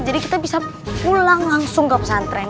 jadi kita bisa pulang langsung ke pesantren